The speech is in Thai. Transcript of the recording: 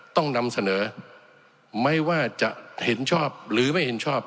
ต้องนำเสนอไม่ว่าจะเห็นชอบหรือไม่เห็นชอบ